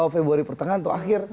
februari pertengahan atau akhir